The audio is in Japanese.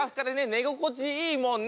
寝心地いいもんね。